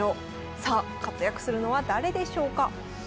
さあ活躍するのは誰でしょうか？